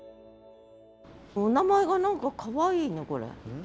お名前が何かかわいいねこれ。